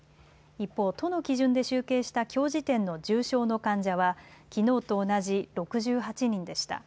一方、都の基準で集計したきょう時点の重症の患者はきのうと同じ６８人でした。